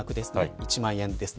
１万円ですね。